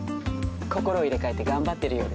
心を入れ替えて頑張ってるようです。